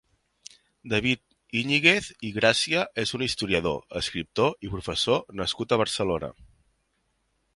David Íñiguez i Gràcia és un historiador, escriptor i professor nascut a Barcelona.